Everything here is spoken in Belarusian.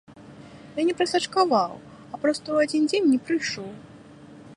Я не прасачкаваў, а проста ў адзін дзень не прыйшоў.